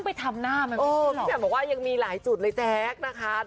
พี่แม่มบอกว่ายังมีหลายจุดเลยแจ๊ะ